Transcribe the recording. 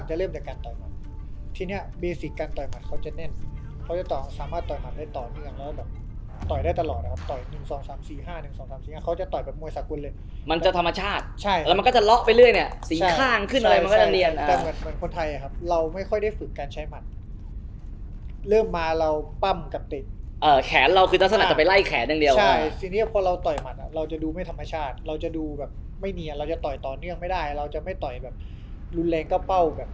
จะเริ่มจากการต่อยมันที่เนี้ยการต่อยมันเขาจะเน่นเขาจะต่อสามารถต่อยมันได้ต่อเนื่องแล้วแบบต่อยได้ตลอดครับต่อยหนึ่งสองสามสี่ห้าหนึ่งสองสามสี่ห้าเขาจะต่อยแบบมวยสักวันเลยมันจะธรรมชาติใช่แล้วมันก็จะเลาะไปเรื่อยเนี้ยสีข้างขึ้นเลยมันก็จะเนียนอ่าแต่เหมือนคนไทยอ่ะครับเราไม่ค่อยได้ฝึกการใช้มันเริ